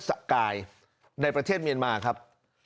สกายในประเทศเมียนมาครับ